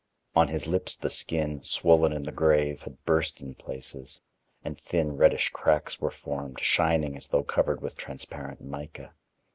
On his lips the skin, swollen in the grave, had burst in places, and thin, reddish cracks were formed, shining as though covered with transparent mica.